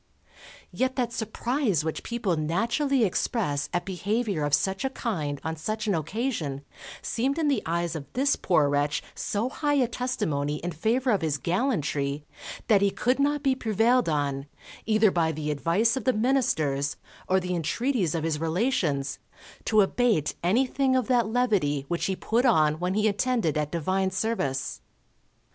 Yet that surprise which people naturally express at behaviour of such a kind on such an occasion seemed in the eyes of this poor wretch so high a testimony in favour of his gallantry, that he could not be prevailed on, either by the advice of the ministers, or the entreaties of his relations, to abate anything of that levity which he put on when he attended at Divine Service.